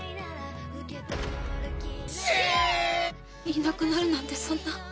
いなくなるなんて、そんな。